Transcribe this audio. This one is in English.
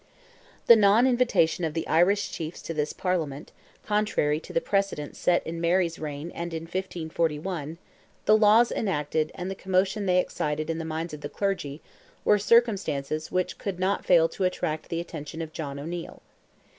The non invitation of the Irish chiefs to this Parliament, contrary to the precedent set in Mary's reign and in 1541, the laws enacted, and the commotion they excited in the minds of the clergy, were circumstances which could not fail to attract the attention of John O'Neil.